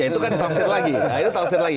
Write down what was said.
ya itu kan tafsir lagi